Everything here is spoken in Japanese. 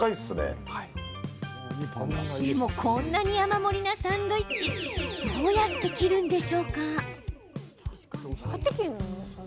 でも、こんなに山盛りなサンドイッチどうやって切るんでしょうか？